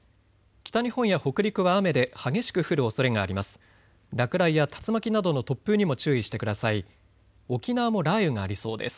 北日本や北陸は雨で激しく降るおそれがあります。